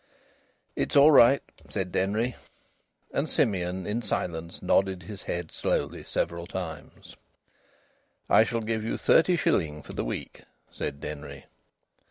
"It's all right," said Denry. And Simeon, in silence, nodded his head slowly several times. "I shall give you thirty shilling for the week," said Denry.